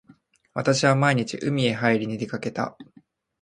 私は毎日海へはいりに出掛けた。